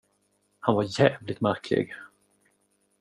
Han var jävligt märklig.